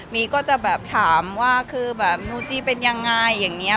มีก็จะแบบถามว่าคือแบบนูจีเป็นยังไงอย่างนี้